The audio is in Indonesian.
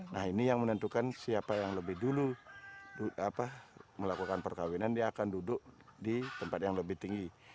nah ini yang menentukan siapa yang lebih dulu melakukan perkawinan dia akan duduk di tempat yang lebih tinggi